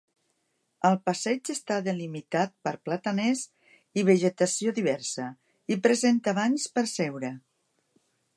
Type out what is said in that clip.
El passeig està delimitat per plataners i vegetació diversa, i presenta bancs per seure.